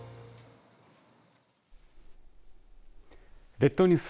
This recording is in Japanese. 列島ニュース